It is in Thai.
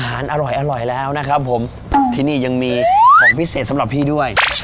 ได้ค่ะพี่สาว